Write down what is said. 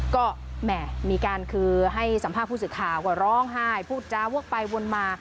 ก็แหม่มีการคือให้สัมภาษณ์ผู้สื่อข่าวก็ร้องไห้พูดจาวกไปวนมา